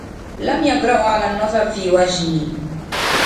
لم يجرؤوا على النظر في وجهي.